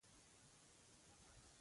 کېدای شي ته به زما په خبرو پوه نه شې.